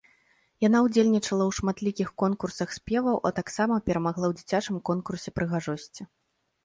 Яна ўдзельнічала ў шматлікіх конкурсах спеваў, а таксама перамагла ў дзіцячым конкурсе прыгажосці.